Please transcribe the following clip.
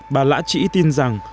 bà lã chỉ tin rằng